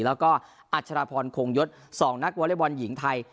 แล้วก็อัชราพรโคงยศสองนักวอเลฟอลหญิงไทย